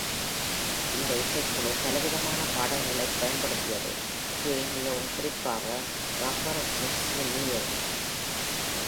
இந்த இசைக்குழு பலவிதமான பாடகர்களைப் பயன்படுத்தியது, kமிகவும் குறிப்பாக ராப்பர் மிச்சி மீ-யை.